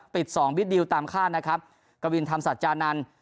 ปิดสองวิทย์ดีลตามคาดนะครับกะวินธรรมศาสตร์จานันทร์